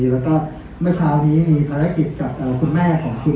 แล้วก็เมื่อเช้านี้มีภารกิจกับคุณแม่ของคุณ